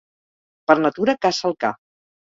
Per natura caça el ca.